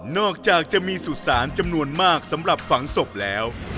จากจะมีสุสานจำนวนมากสำหรับฝังศพแล้ว